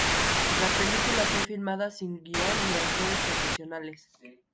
La película fue filmada sin guion ni actores profesionales.